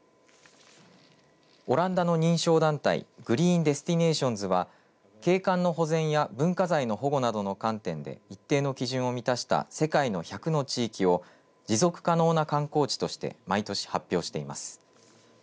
オランダの認証団体グリーン・ディスティネーションズは景観の保全や文化財の保護などの観点で一定の基準を満たした世界の１００の地域を持続可能な観光地として毎年、発表しています。